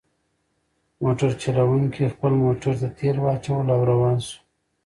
موټر چلونکي خپل موټر ته تیل واچول او روان شو.